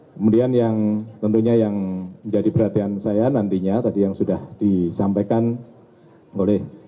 kemudian yang tentunya yang menjadi perhatian saya nantinya tadi yang sudah disampaikan oleh